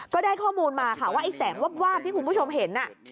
ก็ได้ข้อมูลมาค่ะว่าไอ้แสงวาบที่คุณผู้ชมเห็น